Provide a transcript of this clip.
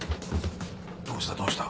どうしたどうした？